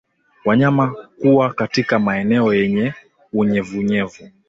Wanyama kuwa katika maeneo yenye unyevunyevu